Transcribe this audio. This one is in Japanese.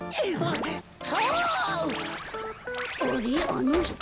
あのひと。